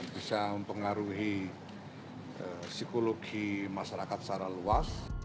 bisa mempengaruhi psikologi masyarakat secara luas